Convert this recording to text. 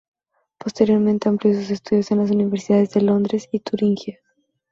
Posteriormente amplió sus estudios en las universidades de Londres y Turingia.